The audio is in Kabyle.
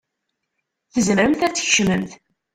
Tzemremt ad tkecmemt.